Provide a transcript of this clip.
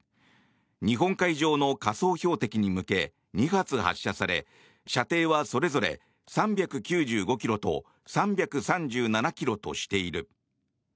日本海上の仮想標的に向け２発発射され射程はそれぞれ３９５ｋｍと３３７ｋｍとしている。